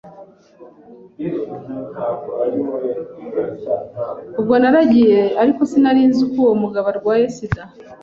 ubwo naragiye ariko sinarinzi ko uwo mugabo arwaye SIDA